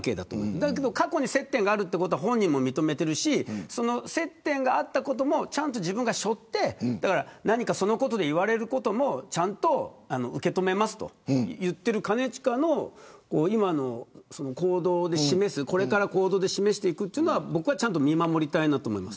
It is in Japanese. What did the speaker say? だけど過去に接点があることは本人も認めているしそれも自分が背負ってそのことで言われることもちゃんと受け止めますと言っている兼近の今の行動で示すこれから行動で示していくのは僕はちゃんと見守りたいと思います。